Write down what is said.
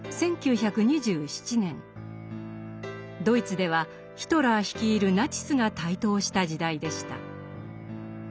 ドイツではヒトラー率いるナチスが台頭した時代でした。